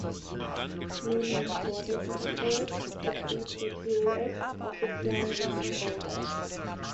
Neben dem sportlichen Erfolg betrieb der TuS auch sozialen Wohnungsbau.